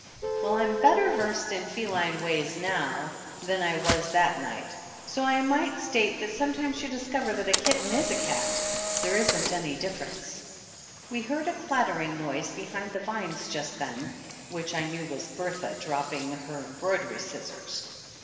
Well, I'm better versed in feline ways now than I was that night ; so I might state that sometimes you discover that a kitten is a cat ! There isn't any difference !" We heard a clattering noise behind the vines just then, which I knew was Bertha dropping her embroidery scissors.